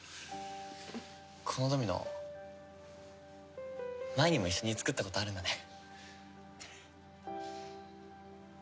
このドミノ前にも一緒に作ったことあるんだね。